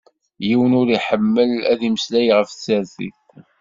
Yiwen ur iḥemmel ad imeslay ɣef tsertit.